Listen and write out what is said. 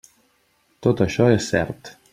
Tot això és cert.